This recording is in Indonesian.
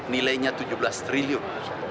nilainya tujuh belas triliun